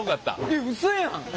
えっうそやん！